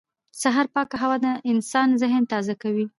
سهار پاکه هوا د انسان ذهن تازه کوي